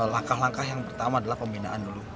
langkah langkah yang pertama adalah pembinaan dulu